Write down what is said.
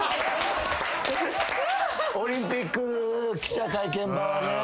オリンピック記者会見場はね。